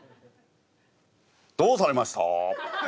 どうされました？